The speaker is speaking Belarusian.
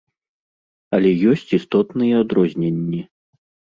Але ёсць істотныя адрозненні.